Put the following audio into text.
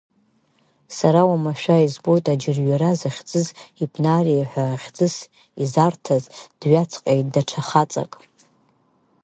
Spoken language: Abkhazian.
Сара уамашәа избоит Аџьырҩара захьӡыз Ипнари ҳәа хьӡыс изарҭаз, дҩаҵҟьеит даҽа хаҵак.